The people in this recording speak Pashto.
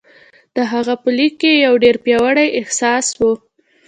د هغه په ليک کې يو ډېر پياوړی احساس و.